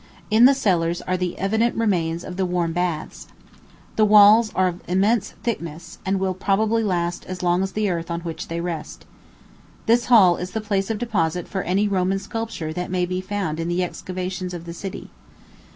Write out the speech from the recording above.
In the cellars are the evident remains of the warm baths. The walls are of immense thickness, and will probably last as long as the earth on which they rest. This hall is the place of deposit for any Roman sculpture that may be found in the excavations of the city.